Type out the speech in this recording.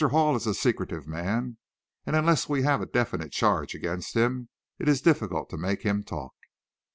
Hall is a secretive man, and unless we have a definite charge against him it is difficult to make him talk."